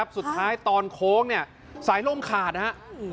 สุดท้ายตอนโค้งเนี่ยสายล่มขาดนะครับ